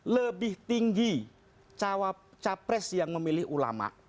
lebih tinggi cawapres yang memilih ulama